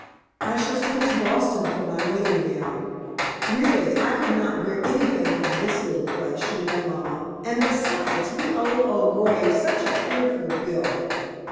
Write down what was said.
I shall send to Boston for my wedding gown. Really, I could not wear anything from this little place, you know, mamma; and besides, we owe old Grey such a fearful bill.